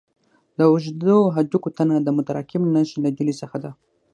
د اوږدو هډوکو تنه د متراکم نسج له ډلې څخه ده.